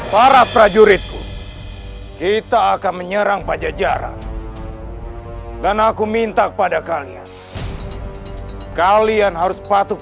para prajuritku kita akan menyerang pajajaran dan aku minta kepada kalian kalian harus patuh